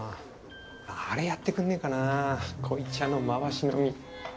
あれやってくんねえかな濃茶の回し飲み。